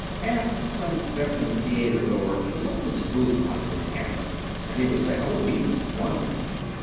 Ask some veteran theatergoer "What was Booth like as Hamlet?" and he will say "Oh, he was wonderful."